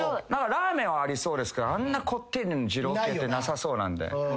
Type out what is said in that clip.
ラーメンはありそうですけどあんなこってりの二郎系ってなさそうなんで。